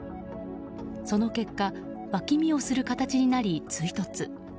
その結果脇見をする形になり追突。